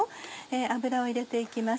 油を入れて行きます。